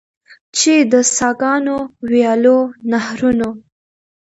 چې د څاګانو، ویالو، نهرونو.